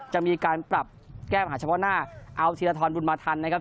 จะมีการปรับแก้ปัญหาเฉพาะหน้าเอาธีรทรบุญมาทันนะครับ